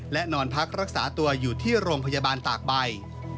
และนอนพักรักษาตัวอยู่ที่โรงพยาบาลตากใบ